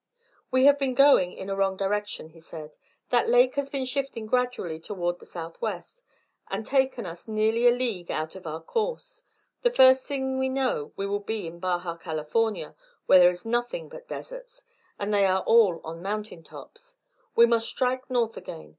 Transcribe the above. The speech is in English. "We have been going in a wrong direction," he said. "That lake has been shifting gradually toward the southwest, and taken us nearly a league out of our course. The first thing we know we will be in Baja California, where there is nothing but deserts, and they are all on mountain tops. We must strike north again.